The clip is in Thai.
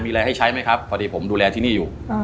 มีอะไรให้ใช้มั้ยครับผมดูแลที่นี่อยู่